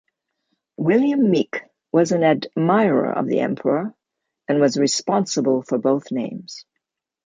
William Meek was an admirer of the Emperor, and was responsible for both names.